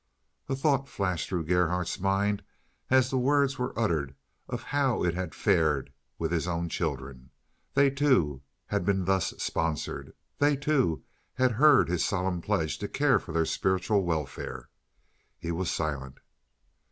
A thought flashed through Gerhardt's mind as the words were uttered of how it had fared with his own children. They, too, had been thus sponsored. They too, had heard his solemn pledge to care for their spiritual welfare. He was silent.